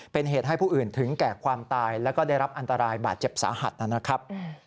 เป็นเหตุให้ผู้อื่นถึงแก่ความตายแล้วก็ได้รับอันตรายบาดเจ็บสาหัสนะครับ